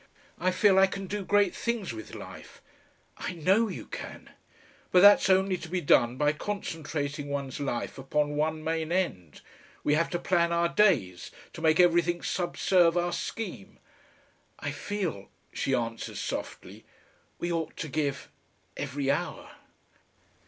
"I feel I can do great things with life." "I KNOW you can." "But that's only to be done by concentrating one's life upon one main end. We have to plan our days, to make everything subserve our scheme." "I feel," she answers softly, "we ought to give every hour."